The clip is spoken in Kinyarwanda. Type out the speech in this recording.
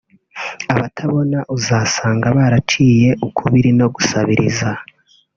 Abatabona uzasanga baraciye ukubiri no gusabiriza